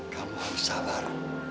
kamu harus sabar